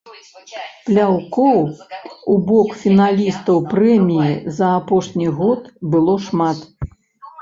Пляўкоў у бок фіналістаў прэміі за апошні год было шмат.